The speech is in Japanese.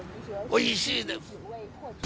おいしいです。